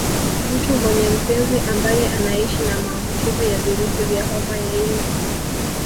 Mtu mwenye mpenzi ambaye anaishi na maambukizi ya virusi vya homa ya ini